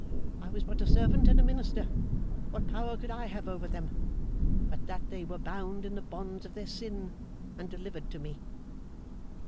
I was but a servant and a minister. What power could I have over them, but that they were bound in the bonds of their sin, and delivered to me!